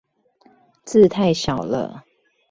字太小了